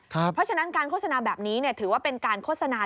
เพราะฉะนั้นการโฆษณาแบบนี้ถือว่าเป็นการโฆษณา